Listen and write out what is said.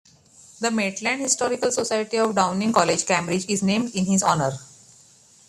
The Maitland Historical Society of Downing College, Cambridge, is named in his honour.